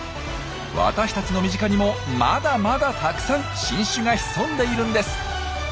私たちの身近にもまだまだたくさん新種が潜んでいるんです。